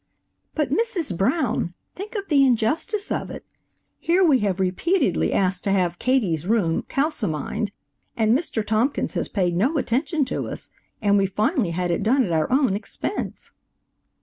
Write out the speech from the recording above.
"But, Mrs. Brown, think of the injustice of it. Here we have repeatedly asked to have Katie's room calcimined and Mr. Thompkins has paid no attention to us, and we finally had it done at our own expense."